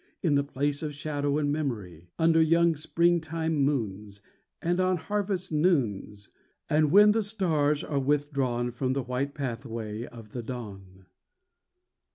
In the place of shadow and memory. Under young springtime moons. And on harvest noons, And when the stars are withdrawn From the white pathway of the dawn.